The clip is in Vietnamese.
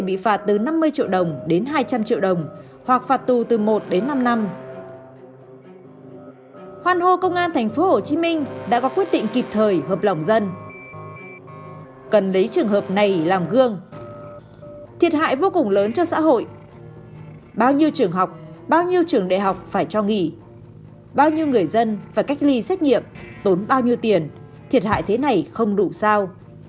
bao nhiêu người dân và cách ly xét nghiệm tốn bao nhiêu tiền thiệt hại thế này không đủ sao